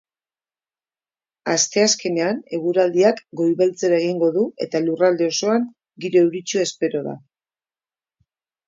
Asteazkenean eguraldiak goibeltzera egingo du eta lurralde osoan giro euritsua espero da.